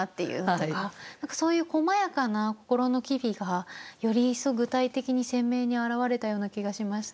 何かそういうこまやかな心の機微がより一層具体的に鮮明に表れたような気がしました。